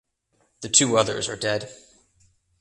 The two others are dead.